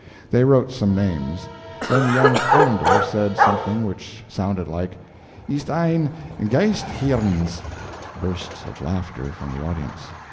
They wrote some names. Then young Ollendorf said something which sounded like: "Ist ein geist hierans?" (bursts of laughter from the audience.)